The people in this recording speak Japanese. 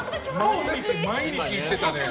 毎日行ってたね。